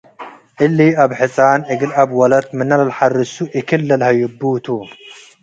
እሊ አብ ሕጻን እግል አብ ወለት ምነ ለልሐርሱ እክል ለልሀይቡ ቱ ።